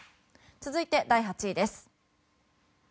続いて、第８位です。